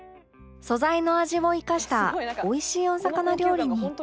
素材の味を生かした美味しいお魚料理に